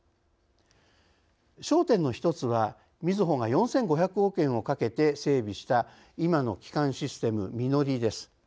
焦点の１つはみずほが４，５００億円をかけて整備した今の基幹システムＭＩＮＯＲＩです。